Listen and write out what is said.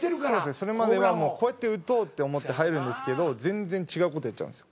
それまではもうこうやって打とうって思って入るんですけど全然違う事やっちゃうんですよ